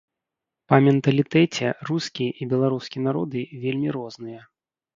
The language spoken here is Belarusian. Па менталітэце рускі і беларускі народы вельмі розныя.